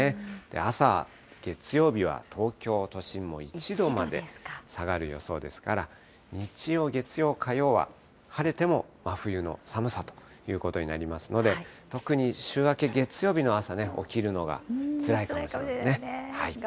朝、月曜日は東京都心も１度まで下がる予想ですから、日曜、月曜、火曜は晴れても真冬の寒さということになりますので、特に週明け、月曜日の朝ね、起きるのがつらいかもしれないですね。